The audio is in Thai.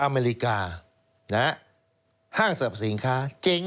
ห้างสรรพสินค้าเจ๊ง